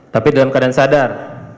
tapi dalam keadaan sadar